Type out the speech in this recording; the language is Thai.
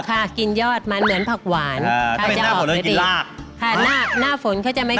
ค่ะกินยอดมันเหมือนผักหวานถ้าเป็นหน้าฝนเรากินรากค่ะหน้าฝนเขาจะไม่ค่อยแตก